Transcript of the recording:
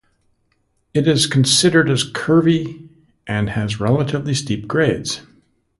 It is considered as curvy and has relatively steep grades.